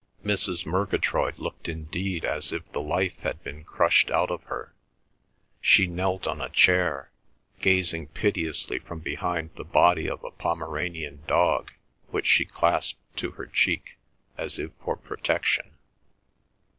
Mrs. Murgatroyd looked indeed as if the life had been crushed out of her; she knelt on a chair, gazing piteously from behind the body of a Pomeranian dog which she clasped to her cheek, as if for protection.